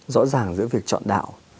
rõ ràng giữa việc chọn đạo